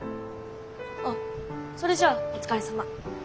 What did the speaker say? あっそれじゃあお疲れさま。